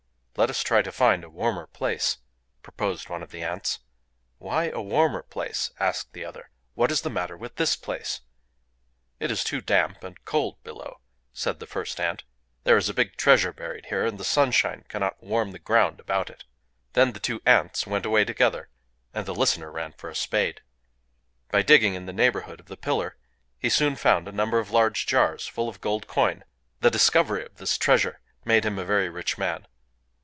"Let us try to find a warmer place," proposed one of the Ants. "Why a warmer place?" asked the other;—"what is the matter with this place?" "It is too damp and cold below," said the first Ant; "there is a big treasure buried here; and the sunshine cannot warm the ground about it." Then the two Ants went away together, and the listener ran for a spade. By digging in the neighborhood of the pillar, he soon found a number of large jars full of gold coin. The discovery of this treasure made him a very rich man.